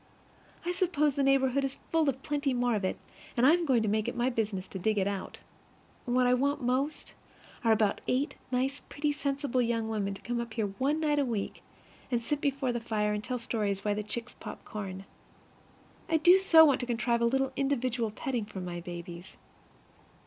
I suppose the neighborhood is full of plenty more of it, and I am going to make it my business to dig it out. What I want most are about eight nice, pretty, sensible young women to come up here one night a week, and sit before the fire and tell stories while the chicks pop corn. I do so want to contrive a little individual petting for my babies.